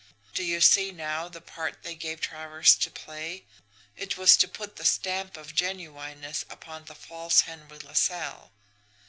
Do you see now the part they gave Travers to play? It was to put the stamp of genuineness upon the false Henry LaSalle.